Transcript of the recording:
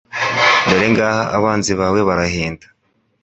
Dore ngaha abanzi bawe barahinda